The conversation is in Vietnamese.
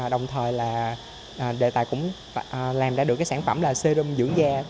đồng thời là đề tài cũng làm ra được sản phẩm là serum dưỡng da